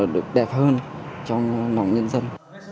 được đẹp hơn trong mong nhân dân